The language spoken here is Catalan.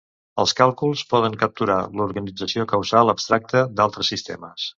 Els càlculs poden capturar l'organització causal abstracta d'altres sistemes.